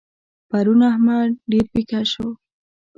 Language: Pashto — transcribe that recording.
پرون احمد ډېر پيکه شو.